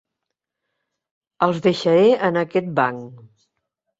Els deixaré en aquest banc.